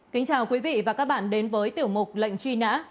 kính chào quý vị và các bạn đến với tiểu mục lệnh truy nã